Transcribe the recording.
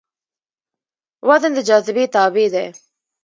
وزن د جاذبې تابع دی.